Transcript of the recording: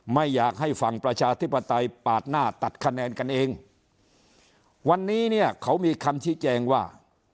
ไม่อยากให้ฝั่งประชาธิปไตยปาดหน้าตัดคะแนนกันเองวันนี้เนี่ยเขามีคำชี้แจงว่า